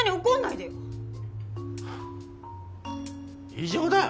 異常だよ！